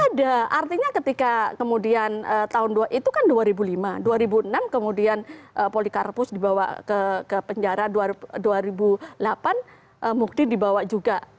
ada artinya ketika kemudian tahun dua itu kan dua ribu lima dua ribu enam kemudian polikarpus dibawa ke penjara dua ribu delapan mukti dibawa juga